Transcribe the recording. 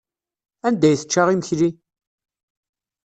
Anda ay tečča imekli?